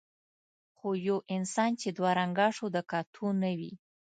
خو یو انسان چې دوه رنګه شو د کتو نه وي.